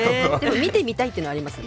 見てみたいというのはありますよね。